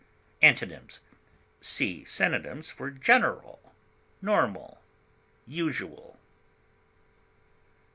Antonyms: See synonyms for GENERAL; NORMAL; USUAL.